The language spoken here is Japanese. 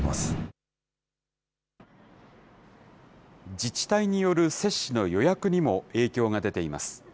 自治体による接種の予約にも影響が出ています。